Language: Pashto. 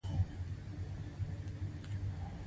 کنفرانس مشخص زماني معیاد لري.